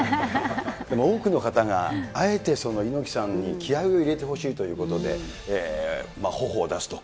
でも多くの方が、あえて猪木さんに気合いを入れてほしいということで、ほおを出すと。